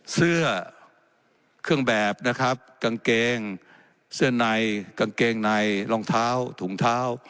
เสื้อเครื่องแบบนะครับกางเกงเสื้อในกางเกงในรองเท้าถุงเท้า